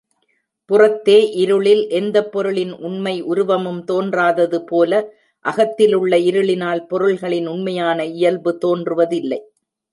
புறத்தே இருளில் எந்தப் பொருளின் உண்மை உருவமும் தோன்றாததுபோல, அகத்துள்ள இருளினால் பொருள்களின் உண்மையான இயல்பு தோன்றுவதில்லை.